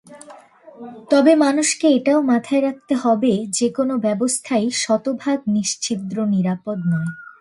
তবে মানুষকে এটাও মাথায় রাখতে হবে, যেকোনো ব্যবস্থাই শতভাগ নিশ্ছিদ্র নিরাপদ নয়।